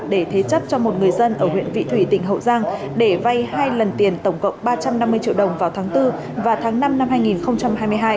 để thế chấp cho một người dân ở huyện vị thủy tỉnh hậu giang để vay hai lần tiền tổng cộng ba trăm năm mươi triệu đồng vào tháng bốn và tháng năm năm hai nghìn hai mươi hai